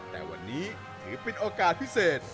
แต่วันนี้ถือเป็นโอกาสพิเศษ